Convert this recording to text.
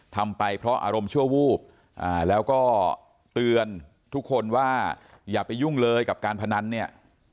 ทำไปเพราะอารมณ์ชั่ววูบแล้วก็เตือนทุกคนว่าอย่าไปยุ่งเลยกับการพนันเนี่ย